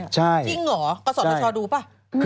จริงเหรอกศธชดูป่ะ